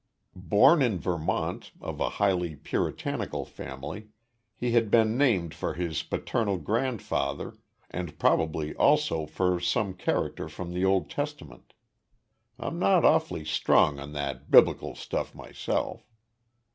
Born in Vermont, of a highly puritanical family, he had been named for his paternal grandfather and probably also for some character from the Old Testament. I'm not awfully strong on that Biblical stuff myself.